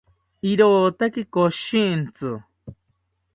irotaki koshintzi